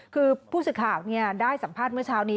คือผู้สื่อข่าวได้สัมภาษณ์เมื่อเช้านี้